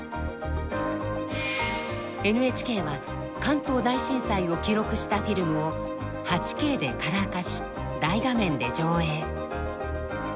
ＮＨＫは関東大震災を記録したフィルムを８Ｋでカラー化し大画面で上映。